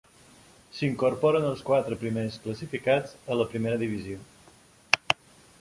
S'incorporen els quatre primers classificats a la Primera Divisió.